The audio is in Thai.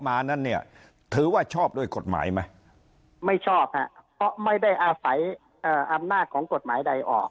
ไม่ชอบครับเพราะไม่ได้อาศัยอำนาจของกฎหมายใดออก